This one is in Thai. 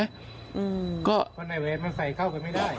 อืมก็ในแหวนมันใส่เข้ากันไม่ได้